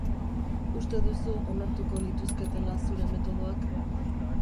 Uste duzu onartuko lituzketela zure metodoak?